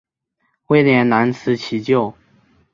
威廉难辞其咎。